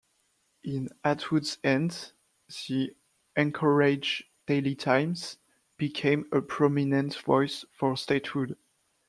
In Atwood's hands, the "Anchorage Daily Times" became a prominent voice for statehood.